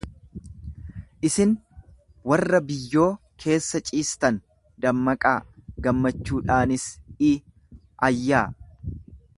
Isin warra biyyoo keessa ciistan dammaqaa, gammachuudhaanis iayyaa.